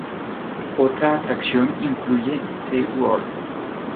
Otra atracción incluye SeaWorld.